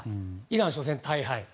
イラン、初戦大敗。